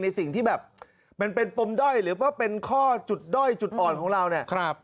สิ่งที่แบบมันเป็นปมด้อยหรือว่าเป็นข้อจุดด้อยจุดอ่อนของเราเนี่ย